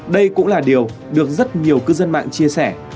đây cũng là điều được rất nhiều cư dân mạng chia sẻ